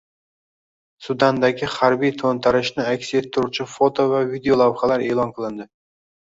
Sudandagi harbiy to‘ntarishni aks ettiruvchi foto va videolavhalar e’lon qilindi